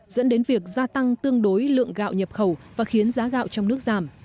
dẫn đến việc gia tăng tương đối lượng gạo nhập khẩu và khiến giá gạo trong nước giảm